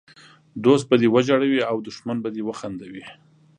دوست به دې وژړوي او دښمن به دي وخندوي!